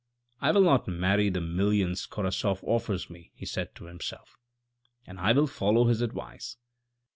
" I will not marry the millions Korasoff offers me," he said to himself, "and I will follow his advice.